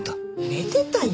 寝てたよ。